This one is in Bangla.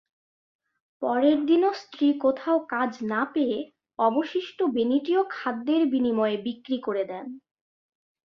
পরের দিনও স্ত্রী কোথাও কাজ না পেয়ে অবশিষ্ট বেনীটিও খাদ্যের বিনিময়ে বিক্রি করে দেন।